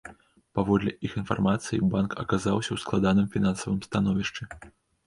Паводле іх інфармацыі, банк аказаўся ў складаным фінансавым становішчы.